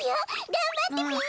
がんばってぴよ！